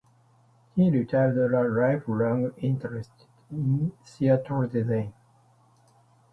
He retained a lifelong interest in theatre design.